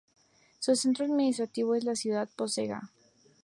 Su centro administrativo es la ciudad de Požega.